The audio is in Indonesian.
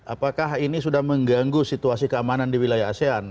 apakah ini sudah mengganggu situasi keamanan di wilayah asean